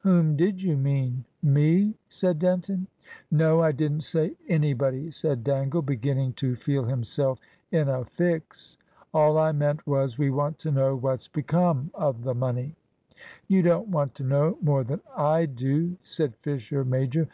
"Whom did you mean? Me?" said Denton. "No; I didn't say anybody," said Dangle, beginning to feel himself in a fix. "All I meant was, we want to know what's become of the money?" "You don't want to know more than I do," said Fisher major.